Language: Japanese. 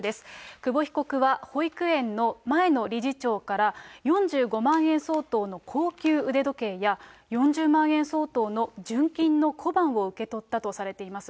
久保被告は保育園の前の理事長から４５万円相当の高級腕時計や、４０万円相当の純金の小判を受け取ったとされています。